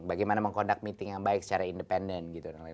bagaimana mengkondak meeting yang baik secara independen